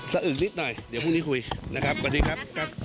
สะอึกนิดหน่อยเดี๋ยวพรุ่งนี้คุยนะครับ